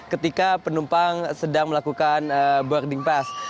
ketika penumpang sedang melakukan boarding pass